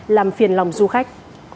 làm phiền lòng du khách